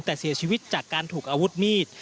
แต่เสียชีวิตจากการถูกอาวุธมีด